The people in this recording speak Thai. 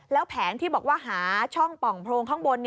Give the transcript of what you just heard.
แล้วแผนที่บอกว่าหาช่องป่องโพรงข้างบน